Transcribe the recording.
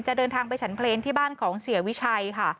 เดินทางไปฉันเพลงที่บ้านของเสียวิชัยค่ะ